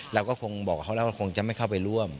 เราก็คงบอกกับเขาแล้วว่าคงจะไม่เข้าไปร่วม